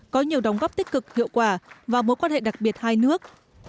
có nhiều đóng góp tích cực hiệu quả và mối quan hệ đặc biệt hai nước